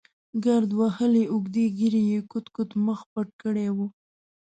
ګرد وهلې اوږدې ږېرې یې کوت کوت مخ پټ کړی و.